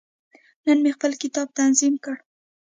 نن مې خپل کتاب تنظیم کړ.